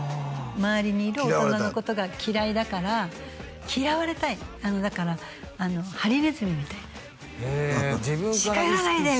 周りにいる大人のことが嫌いだから嫌われたいだからハリネズミみたいな近寄らないで！